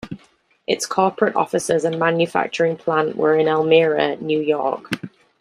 Its corporate offices and manufacturing plant were in Elmira, New York.